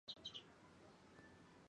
ইতিপূর্বে কলকাতা ছিল প্রধান বন্দর।